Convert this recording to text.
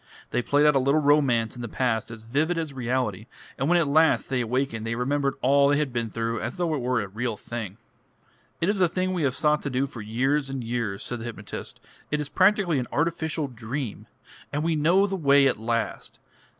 They played out a little romance in the past as vivid as reality, and when at last they awakened they remembered all they had been through as though it were a real thing. "It is a thing we have sought to do for years and years," said the hypnotist. "It is practically an artificial dream. And we know the way at last.